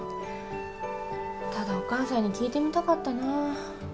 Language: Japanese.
ただお母さんに聞いてみたかったなあ